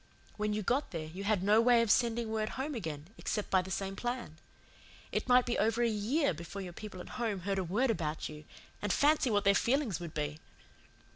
When you got there you had no way of sending word home again except by the same plan. It might be over a year before your people at home heard a word about you and fancy what their feelings would be!